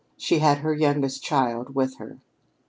She had her youngest child with her.